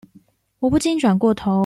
我不禁轉過頭